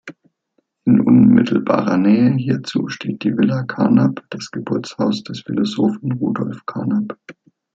In unmittelbarer Nähe hierzu steht die Villa Carnap, das Geburtshaus des Philosophen Rudolf Carnap.